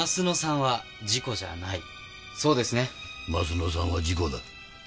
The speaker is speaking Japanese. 鱒乃さんは事故だ。